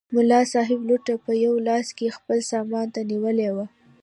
ملا صاحب لوټه په یوه لاس کې خپل سامان ته نیولې وه.